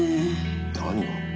何が？